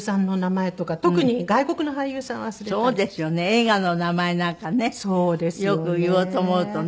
映画の名前なんかねよく言おうと思うとね。